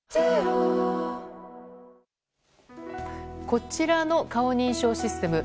こちらの顔認証システム。